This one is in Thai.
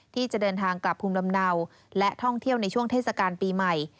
ที่จะเดินทางกลับภูมิลำเนาและท่องเที่ยวในช่วงเทศกาลปีใหม่